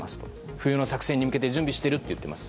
冬の作戦に向けて準備をしているといっています。